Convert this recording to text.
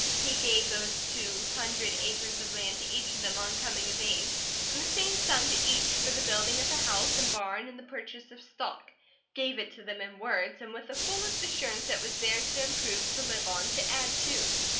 He gave those two hundred acres of land to each of them on coming of age, and the same sum to each for the building of a house and barn and the purchase of stock; gave it to them in words, and with the fullest assurance that it was theirs to improve, to live on, to add to.